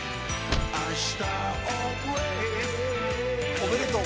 おめでとう。